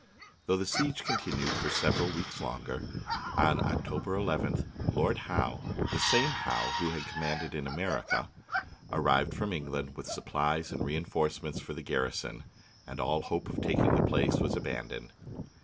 Though the siege continued for several weeks longer, on October 11th, Lord Howe (the same Howe who had commanded in America) arrived from England with supplies and reinforcements for the garrison, and all hope of taking the place was abandoned.